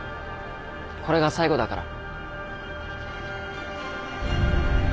これが最後だから。